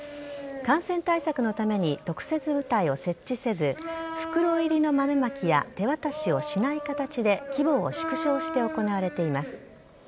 感染対策のために特設舞台を設置せず袋入りの豆まきや手渡しをしない形で規模を縮小して行われています。